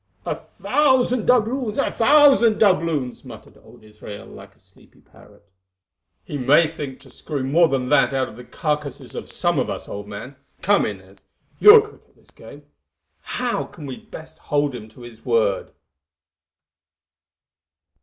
"A thousand doubloons—a thousand doubloons!" muttered old Israel like a sleepy parrot. "He may think to screw more than that out of the carcases of some of us, old man. Come, Inez, you are quick at this game. How can we best hold him to his word?"